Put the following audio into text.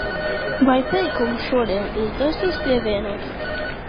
Vai teikumu šodien izdosies pievienot?